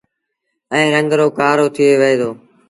ائيٚݩ رنگ رو ڪآرو ٿئي وهي دو۔